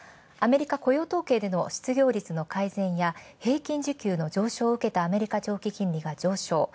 アメリカ雇用統計での失業率の改善や平均需給を受けたアメリカ長期金利が上昇。